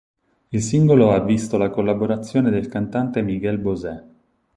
Il singolo ha visto la collaborazione del cantante Miguel Bosé.